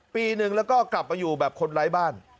ปีหนึ่งแล้วก็กลับมาอยู่แบบคนไร้บ้าน